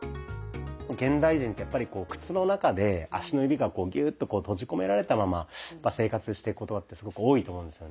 現代人ってやっぱり靴の中で足の指がこうギューッと閉じ込められたまま生活してることってすごく多いと思うんですよね。